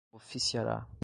oficiará